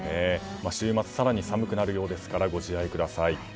週末更に寒くなるようですからご自愛ください。